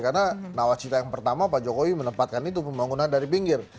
karena nawacita yang pertama pak jokowi menempatkan itu pembangunan dari pinggir